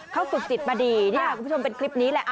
เขาสุขจิตมาดีเนี่ยคุณผู้ชมเป็นคลิปนี้แหละ